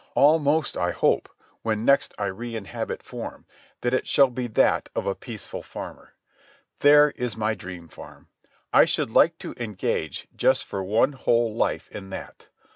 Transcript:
Almost I hope, when next I reinhabit form, that it shall be that of a peaceful farmer. There is my dream farm. I should like to engage just for one whole life in that.